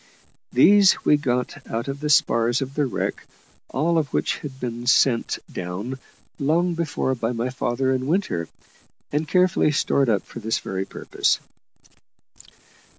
These we got out of the spars of the wreck, all of which had been sent down long before by my father and Winter, and carefully stored up for this very purpose.